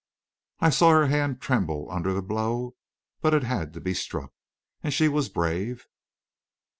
I saw her hand tremble under the blow, but it had to be struck. And she was brave.